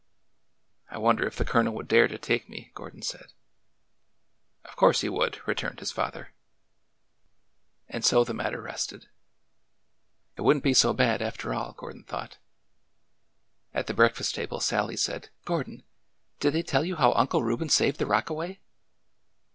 I wonder if the Colonel would dare to take me," Gor don said. '' Of course he would," returned his father. And so the matter rested. It would n't be so bad, after all, Gordon thought. At the breakfast table Sallie said : Gordon, did they tell you how Uncle Reuben saved the rockaway